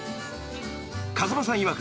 ［風間さんいわく